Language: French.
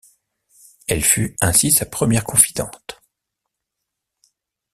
Elle fut ainsi sa première confidente.